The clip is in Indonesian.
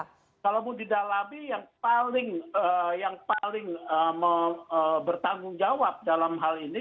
jadi kalau mau didalami yang paling bertanggung jawab dalam hal ini